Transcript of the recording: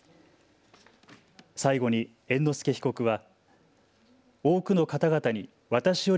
最後に猿之助被告は。